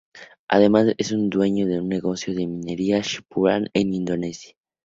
Además es dueño de un negocio de minería en Singapur e Indonesia.